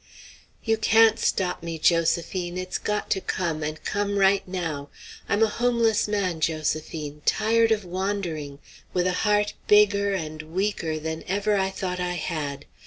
"You can't stop me, Josephine; it's got to come, and come right now. I'm a homeless man, Josephine, tired of wandering, with a heart bigger and weaker than I ever thought I had.